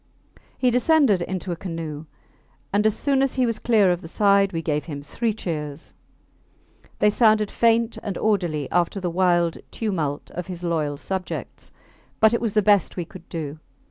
He descended into a canoe, and as soon as he was clear of the side we gave him three cheers. They sounded faint and orderly after the wild tumult of his loyal subjects, but it was the best we could do.